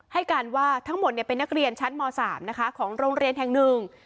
ให้การว่าทั้งหมดเป็นนักเรียนชั้นม๓นะคะของโรงเรียนแห่งหนึ่ง